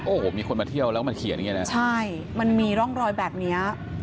โอ้โหมีคนมาเที่ยวแล้วมาเขียนอย่างเงี้นะใช่มันมีร่องรอยแบบเนี้ย